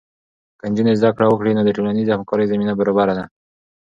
که نجونې زده کړه وکړي، نو د ټولنیزې همکارۍ زمینه برابره ده.